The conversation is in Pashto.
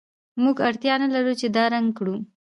موږ اړتیا نلرو چې دا رنګ کړو